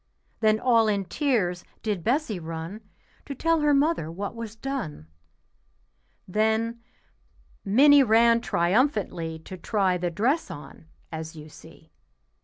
Then all in tears did Bessie run To tell her mother what was done. Then Minnie ran triumphantly To try the dress on, as you see.